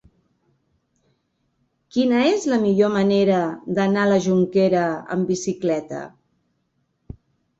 Quina és la millor manera d'anar a la Jonquera amb bicicleta?